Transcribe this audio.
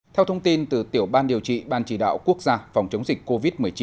theo thông tin từ tiểu ban điều trị ban chỉ đạo quốc gia phòng chống dịch covid một mươi chín